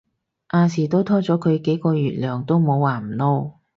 亞視都拖咗佢幾個月糧都冇話唔撈